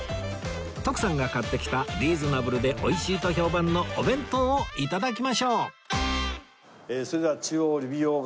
徳さんが買ってきたリーズナブルで美味しいと評判のお弁当を頂きましょう